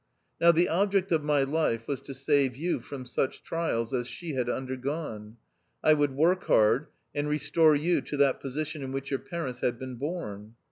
Now, the object of my life was to save you from such trials as she had undergone. I would work hard, and restore you to that position in which your parents had been born.